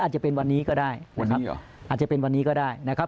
อาจจะเป็นวันนี้ก็ได้นะครับ